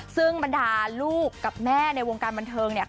ซึ่งบรรดาลูกกับแม่ในวงการบันเทิงเนี่ย